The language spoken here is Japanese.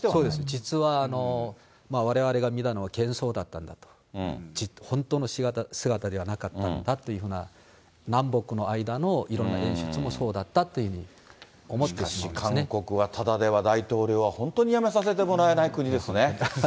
実はわれわれが見たのは幻想だったんだと、本当の姿ではなかったんだというような、南北の間のいろんな演出もそうだったというふうに思ってしまいましかし、韓国はただでは大統領は本当に辞めさせてもらえない国ですね。